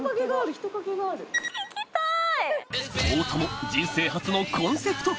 行きたい！